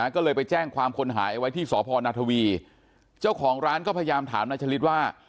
ก็เลยไปแจ้งความคนหายไว้ที่สพนาทวีเจ้าของร้านก็พยายามถามนายชะลิดว่า